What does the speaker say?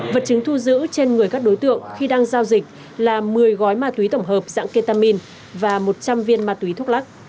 vật chứng thu giữ trên người các đối tượng khi đang giao dịch là một mươi gói ma túy tổng hợp dạng ketamin và một trăm linh viên ma túy thuốc lắc